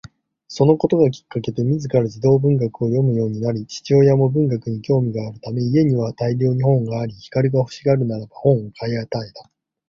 そのことがきっかけで自ら児童文学を読むようになり、父親も文学に興味があるため家には大量に本があり、光が欲しがるならば本を買い与えた